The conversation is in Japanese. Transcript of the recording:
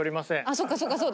そっかそっかそうだ。